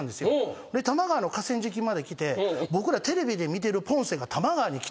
で多摩川の河川敷まで来て僕らテレビで見てるポンセが多摩川に来たと。